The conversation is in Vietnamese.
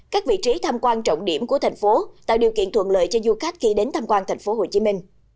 các vị trí tham quan trọng điểm của thành phố tạo điều kiện thuận lợi cho du khách khi đến tham quan tp hcm